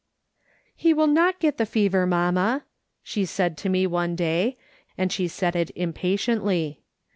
" He will not get the fever, mamma," she said to me one day, and she said it impatiently.